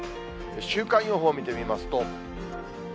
週間予報見てみますと。